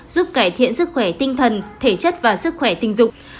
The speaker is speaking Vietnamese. giúp cải thiện sức khỏe tinh thần thể chất và sức khỏe tình dục